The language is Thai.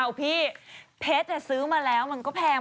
เอาพี่เพชรซื้อมาแล้วมันก็แพง